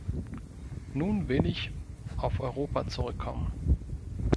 Nun will ich auf Europa zurückkommen.